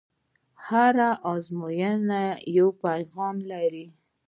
هره ازموینه یو پیغام لري.